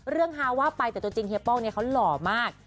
เรื่องฮาว่าไปแต่ตัวจริงเฮียป้องเขาหล่อมาก